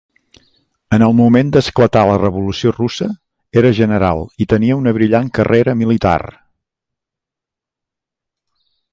En el moment d'esclatar la revolució russa era general i tenia una brillant carrera militar.